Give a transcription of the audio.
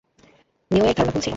নিওয়ের ধারণা ভুল ছিল।